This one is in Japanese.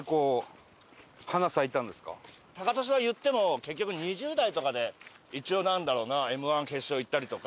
タカトシは言っても結局２０代とかで一応なんだろうなＭ−１決勝いったりとか。